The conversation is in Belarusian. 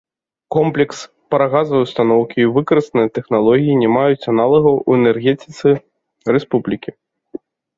Комплекс парагазавай устаноўкі і выкарыстаныя тэхналогіі не маюць аналагаў у энергетыцы рэспублікі.